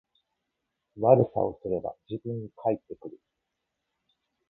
悪さをすれば自分に返ってくる